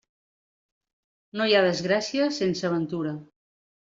No hi ha desgràcia sense ventura.